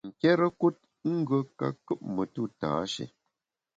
Nkérekut ngùe ka kùp metu tâshé.